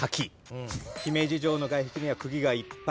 姫路城の外壁には釘がいっぱい。